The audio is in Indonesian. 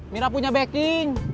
mira punya backing